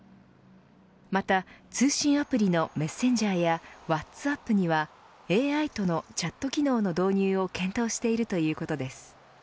また通信アプリのメッセンジャーやワッツアップにはＡＩとのチャット機能の導入を検討しているということです。